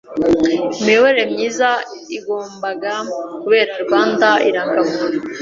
i imiyoborere myiza igombaga kubera Rwanda irangamuntu